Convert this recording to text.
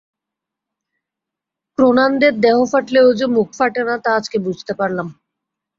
ক্রোনানদের দেহ ফাটলেও যে মুখ ফাটে না, তা আজকে বুঝতে পারলাম।